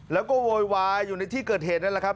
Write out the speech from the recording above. แล้วก็โวยวายอยู่ในที่เกิดเหตุนั่นแหละครับ